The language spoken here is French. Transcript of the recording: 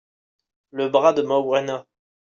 le bras de Morwena.